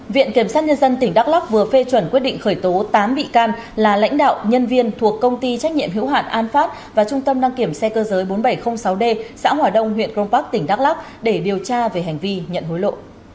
viện kiểm sát nhân dân tỉnh đắk lắc vừa phê chuẩn quyết định khởi tố tám bị can là lãnh đạo nhân viên thuộc công ty trách nhiệm hữu hạn an phát và trung tâm đăng kiểm xe cơ giới bốn nghìn bảy trăm linh sáu d xã hòa đông huyện cron park tỉnh đắk lắc để điều tra về hành vi nhận hối lộ